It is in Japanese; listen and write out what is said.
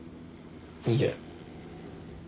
いえ。